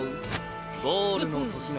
ゴールの時の。